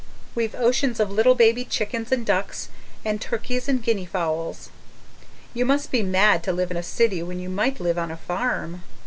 We've oceans of little baby chickens and ducks and turkeys and guinea fowls. You must be mad to live in a city when you might live on a farm.